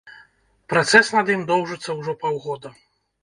Працэс над ім доўжыцца ўжо паўгода.